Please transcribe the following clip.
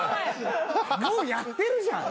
もうやってるじゃん。